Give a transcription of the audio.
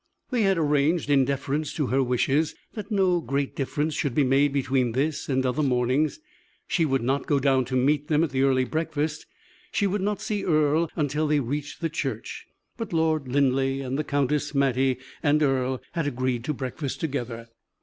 They had arranged, in deference to her wishes, that no great difference should be made between this and other mornings. She would not go down to meet them at the early breakfast; she would not see Earle until they reached the church, but Lord Linleigh and the countess, Mattie and Earle, had agreed to breakfast together.